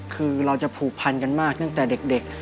คือเราจะผูกพันกันมากตั้งแต่เด็ก